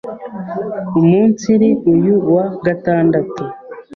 Umunsiri uyu wa Gatandatu